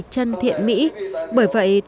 chân thiện mỹ bởi vậy